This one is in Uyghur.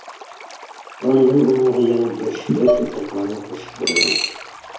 ئاندىن ئۇنىڭغا يەنە گۆش ۋە كۆكتاتلارنى قوشۇپ بېرىمەن.